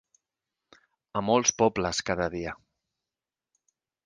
A molts pobles cada dia.